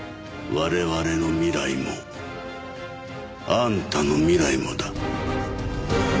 我々の未来もあんたの未来もだ。